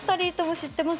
知ってます。